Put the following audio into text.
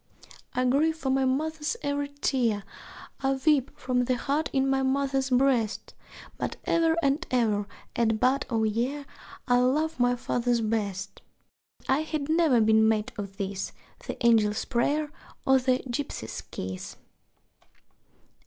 I grieve for my mother's every tear, I weep for the hurt in my mother's breast, But ever and ever at bud o' year I love my father best. (That I had never been made of this The angel's prayer, or the gipsy's kiss!)